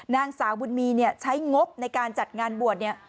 นางสาวบุญมีเนี่ยใช้งบในการจัดงานบวชเนี่ย